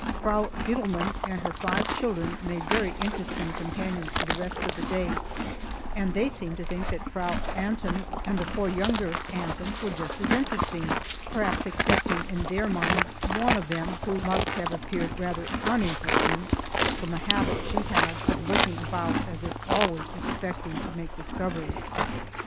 Frau Gittleman and her five children made very interesting companions for the rest of the day, and they seemed to think that Frau Antin and the four younger Antins were just as interesting; perhaps excepting, in their minds, one of them who must have appeared rather uninteresting from a habit she had of looking about as if always expecting to make discoveries.